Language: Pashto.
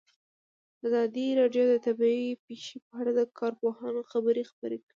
ازادي راډیو د طبیعي پېښې په اړه د کارپوهانو خبرې خپرې کړي.